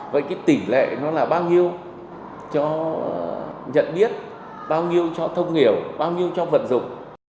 vậy cái tỷ lệ nó là bao nhiêu cho nhận biết bao nhiêu cho thông hiểu bao nhiêu cho vận dụng